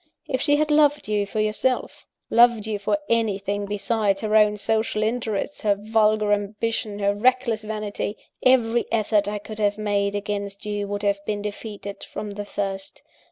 If she had loved you for yourself, loved you for anything besides her own sensual interests, her vulgar ambition, her reckless vanity, every effort I could have made against you would have been defeated from the first.